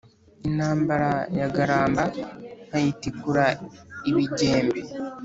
Intambara yagaramba nkayitikura ibigembe,